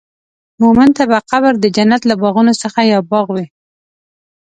مؤمن ته به قبر د جنت له باغونو څخه یو باغ وي.